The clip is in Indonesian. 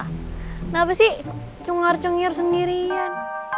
kenapa sih cungar cungir sendirian